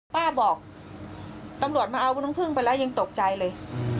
ป้าบอกตำรวจมาเอาน้ำพึ่งไปแล้วยังตกใจเลย